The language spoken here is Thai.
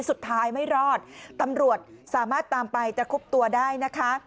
สุดท้ายไม่รอดตำรวจสามารถตามไปจะคุบตัวได้นะคะ